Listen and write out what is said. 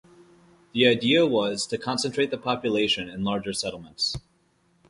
The idea was to concentrate the population in larger settlements.